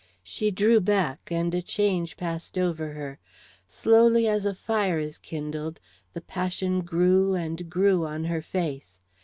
She drew back, and a change passed over her. Slowly as a fire is kindled, the passion grew and grew on her face.